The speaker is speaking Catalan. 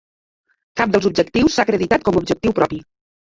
Cap dels objectius s'ha acreditat com a objectiu propi.